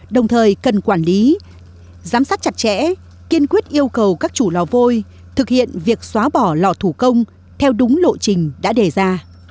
đồng thời cần quản lý giám sát chặt chẽ kiên quyết yêu cầu các chủ lò vôi thực hiện việc xóa bỏ lò thủ công theo đúng lộ trình đã đề ra